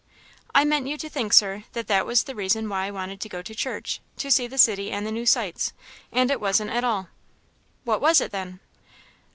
"I meant you to think, Sir, that that was the reason why I wanted to go to church to see the city and the new sights; and it wasn't at all." "What was it then?"